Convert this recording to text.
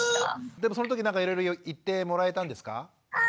でもそのときなんかいろいろ言ってもらえたんですか？